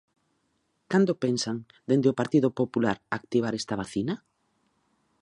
¿Cando pensan, dende o Partido Popular, activar esta vacina?